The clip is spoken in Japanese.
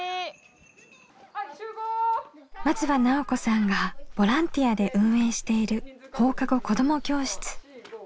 松場奈緒子さんがボランティアで運営している放課後子ども教室。